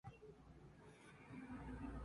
Parte del edificio resultó dañada.